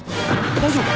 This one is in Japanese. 大丈夫か！？